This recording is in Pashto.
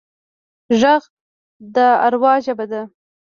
غږ د اروا ژبه ده